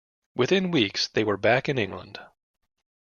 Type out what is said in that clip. Within weeks, they were back in England.